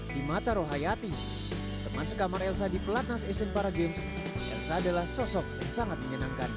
di mata rohayati teman sekamar elsa di pelatnas asian para games elsa adalah sosok yang sangat menyenangkan